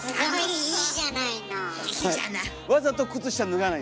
いいじゃない！